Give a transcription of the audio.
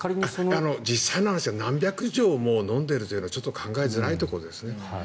実際には何百錠も飲んでいるというのは考えづらいところですね。